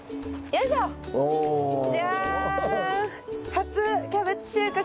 初キャベツ収穫。